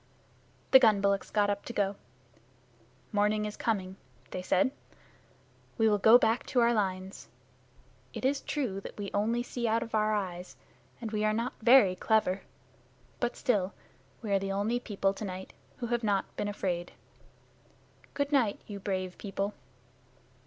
The gun bullocks got up to go. "Morning is coming," they said. "We will go back to our lines. It is true that we only see out of our eyes, and we are not very clever. But still, we are the only people to night who have not been afraid. Good night, you brave people."